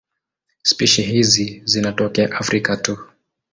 Spishi hizi zinatokea Afrika tu.